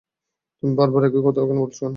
তুমি বারবার সেই একই কথা বলছো কেন?